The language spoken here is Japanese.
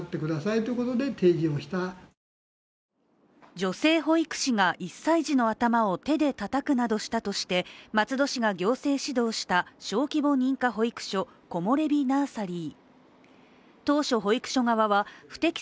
女性保育士が１歳児の頭を手でたたくなどしたとして松戸市が行政指導した小規模認可保育所コモレビ・ナーサリー。